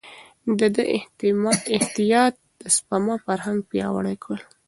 ده د احتياط او سپما فرهنګ پياوړی کړ.